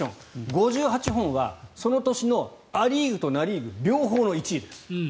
５８本はその年のア・リーグとナ・リーグ両方の１位です。